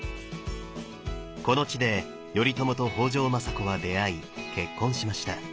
この地で頼朝と北条政子は出会い結婚しました。